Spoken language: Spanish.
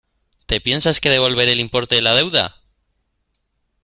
¿Te piensas que devolveré el importe de la deuda?